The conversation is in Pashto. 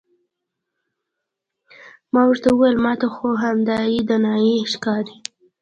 ما ورته وویل ما ته خو همدایې دانایي ښکاري.